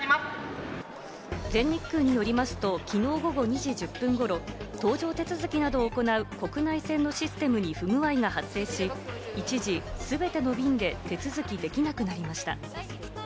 全日空によりますと昨日午後２時１０分頃、搭乗手続きなどを行う国内線のシステムに不具合が発生し、一時、全ての便で手続きできなくなりました。